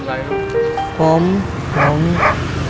เฮ้ยเรียนหนังสืออะไรด้วย